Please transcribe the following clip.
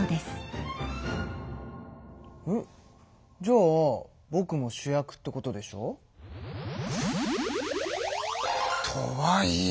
んっじゃあぼくも主役ってことでしょ？とはいえ。